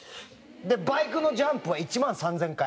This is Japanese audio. バイクのジャンプは１万３０００回。